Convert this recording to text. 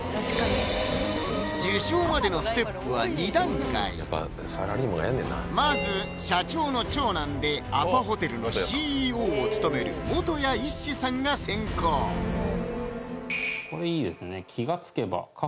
受賞までのステップは二段階まず社長の長男でアパホテルのＣＥＯを務める元谷一志さんが選考これいいですね